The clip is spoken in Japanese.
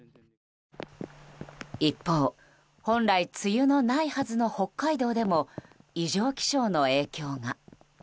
一方、本来梅雨のないはずの北海道でも異常気象の影響が。